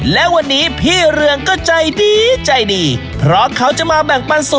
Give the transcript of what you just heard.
และวันนี้พี่เรืองก็ใจดีใจดีเพราะเขาจะมาแบ่งปันสูตร